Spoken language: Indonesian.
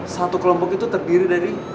satu kelompok itu terdiri dari